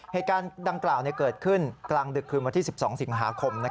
เหตุการณ์ดังกล่าวเกิดขึ้นกลางดึกคืนวันที่๑๒สิงหาคม